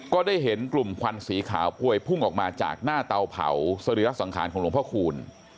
ก็ได้เห็นกลุ่มควันสีขาวพวยพุ่งออกมาจากหน้าเตาเผาสรีระสังขารของหลวงพ่อคูณ